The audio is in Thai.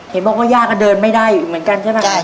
เห็นบอกว่าย่าก็เดินไม่ได้เหมือนกันใช่ไหม